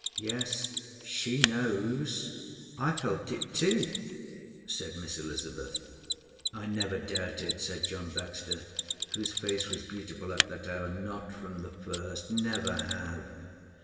"Yes, she knows. I felt it too," said Miss Elizabeth. "I never doubted," said John Baxter, whose face was beautiful at that hour. "Not from the first. Never have!"